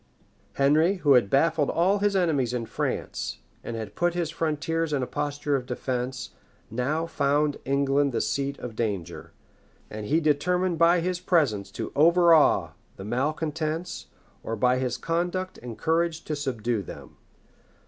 ] Henry, who had baffled all his enemies in France, and had put his frontiers in a posture of defence, now found England the seat of danger; and he determined by his presence to overawe the malecontents, or by his conduct and courage to subdue them.